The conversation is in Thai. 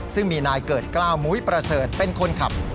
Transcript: ซึ่งมีนายเกิดกล้าวมุ้ยประเสริฐเป็นคนขับ